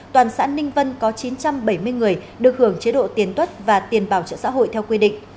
toàn xã ninh vân có chín trăm bảy mươi người được hưởng chế độ tiền tuất và tiền bảo trợ xã hội theo quy định